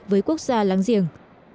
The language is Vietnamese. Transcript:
với quốc gia láng giềng